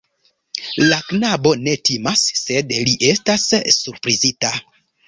La knabo ne timas, sed li estas surprizita.